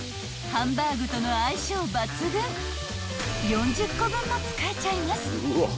［ハンバーグとの相性抜群４０個分も使えちゃいます］